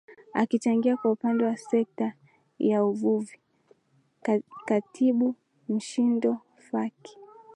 Akichangia kwa upande wa sekta ya uvuvi Khatib Mshindo Faki